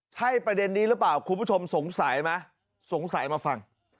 ใช่ประเด็นนี้หรือเปล่าคุณผู้ชมสงสัยไหมสงสัยมาฟัง